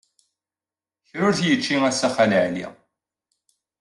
Kra ur t-yečča assa Xali Ɛli.